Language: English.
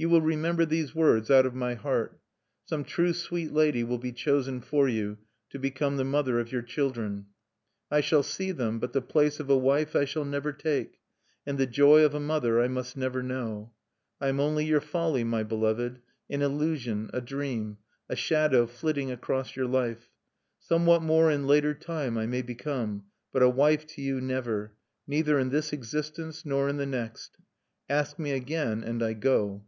You will remember these words out of my heart. Some true sweet lady will be chosen for you, to become the mother of your children. I shall see them; but the place of a wife I shall never take, and the joy of a mother I must never know. I am only your folly, my beloved, an illusion, a dream, a shadow flitting across your life. Somewhat more in later time I may become, but a wife to you never, neither in this existence nor in the next. Ask me again and I go."